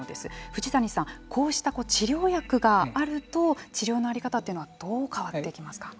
藤谷さん、こうした治療薬があると治療の在り方というのはどう変わっていきますか。